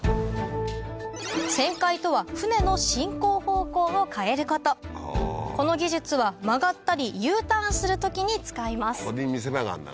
旋回とは舟の進行方向を変えることこの技術は曲がったりＵターンする時に使います